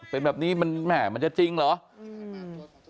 เป็นแบบนี้แม่มันจะจริงเหรอ